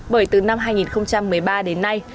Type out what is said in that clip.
bởi từ năm hai nghìn một mươi ba đến nay